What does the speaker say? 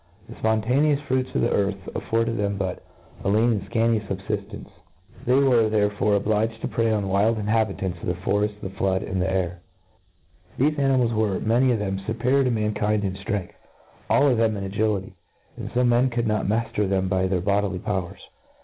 The fpontaneous fruits of the earth af ^ ferded them but a lean and fcanty fubfiftence; 9nd they were, therefore, obliged to prey on the wild inhabitants of the foreft, the flood, and the air* Thefe animals were, many of them, fuperior to mankind in ftrength, and, all of them^ in agility ; an4 to men could not mailer them by their bodi* iy powers.